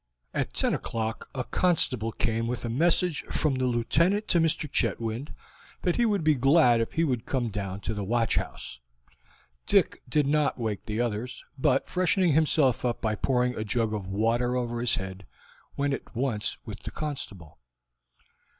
At ten o'clock a constable came with a message from the Lieutenant to Mr. Chetwynd that he would be glad if he would come down to the watch house. Dick did not wake the others, but freshening himself up by pouring a jug of water over his head, went at once with the constable.